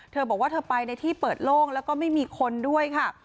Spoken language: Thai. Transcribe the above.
เธอบอกว่าเธอไปในที่เปิดโล่งแล้วก็ไม่มีคนด้วยค่ะ